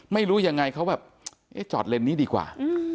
ไม่รู้อย่างไรเขาแบบจอดเร่นนี้ดีกว่า